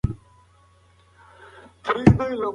موږ باید خپلې تاریخي کلاګانې وساتو.